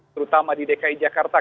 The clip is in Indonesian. terutama di dki jakarta